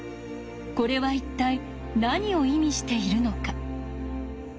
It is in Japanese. これは一体何を意味しているのか？